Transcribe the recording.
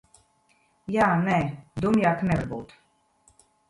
Jā, nē. Dumjāk nevar būt.